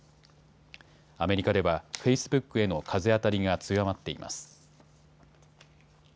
アメリカではフェイスブックへの風当たりが強まっています。